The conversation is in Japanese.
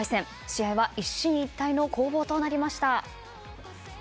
試合は一進一退の攻防となりました。